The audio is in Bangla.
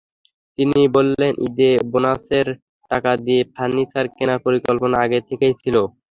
তিনি বললেন, ঈদে বোনাসের টাকা দিয়ে ফার্নিচার কেনার পরিকল্পনা আগে থেকেই ছিল।